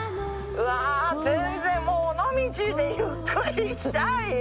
うわぁ全然もう尾道でゆっくりしたいよ。